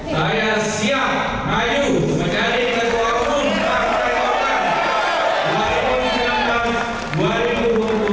saya siap maju menjadi ketua umum partai golkar